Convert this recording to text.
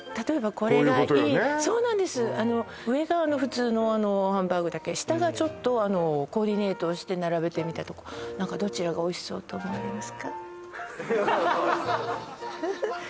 こういうことよね上が普通のハンバーグだけ下がちょっとコーディネートして並べてみたとこどちらがおいしそうと思われますか？